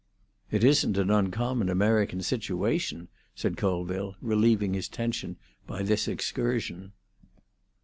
"It isn't an uncommon American situation," said Colville, relieving his tension by this excursion.